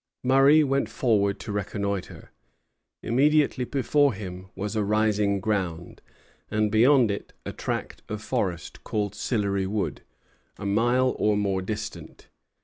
Murray went forward to reconnoitre. Immediately before him was a rising ground, and, beyond it, a tract of forest called Sillery Wood, a mile or more distant.